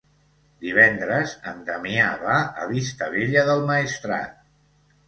Divendres en Damià va a Vistabella del Maestrat.